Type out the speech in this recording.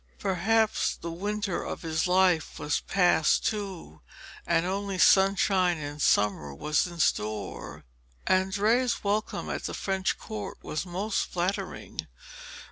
Perhaps the winter of his life was passed too, and only sunshine and summer was in store. Andrea's welcome at the French court was most flattering.